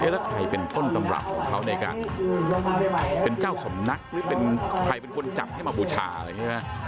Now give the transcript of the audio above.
แล้วใครเป็นต้นตำรับของเขาในการเป็นเจ้าสำนักหรือเป็นใครเป็นคนจัดให้มาบูชาอะไรอย่างนี้